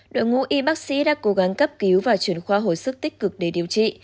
đội ngũ y bác sĩ đã cố gắng cấp cứu và chuyển khoa hồi sức tích cực để điều trị